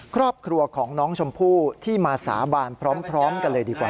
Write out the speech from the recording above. ครอบครัวของน้องชมพู่ที่มาสาบานพร้อมกันเลยดีกว่า